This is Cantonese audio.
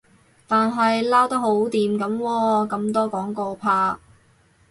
但係撈得好掂噉喎，咁多廣告拍